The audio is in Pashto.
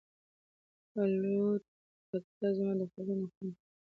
خلوتکده، زما د خوبونو خونه